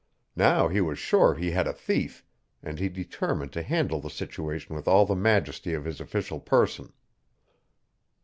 Now he was sure he had a thief and he determined to handle the situation with all the majesty of his official person.